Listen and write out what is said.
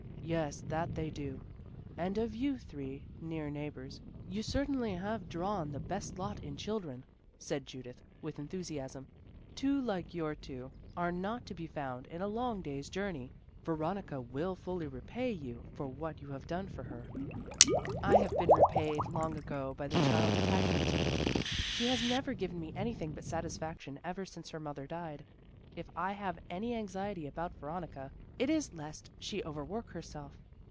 "Yes, that they do. And of you three near neighbors, you certainly have drawn the best lot in children," said Judith with enthusiasm, "two like your two are not to be found in a long day's journey. Veronica will fully repay you for what you have done for her." "I have been repaid long ago by the child's attachment to me. She has never given me anything but satisfaction ever since her mother died. If I have any anxiety about Veronica it is lest she over work herself.